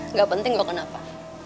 nggak penting gue kenapa